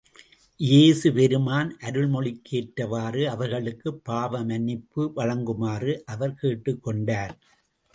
இயேசு பெருமான் அருள் மொழிக்கு ஏற்றவாறு அவர்களுக்குப் பாவ மன்னிப்பு வழங்குமாறு அவர் கேட்டுக் கொண்டார்.